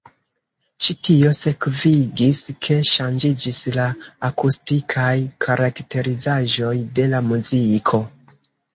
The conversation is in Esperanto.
Ĉi tio sekvigis, ke ŝanĝiĝis la akustikaj karakterizaĵoj de la muziko.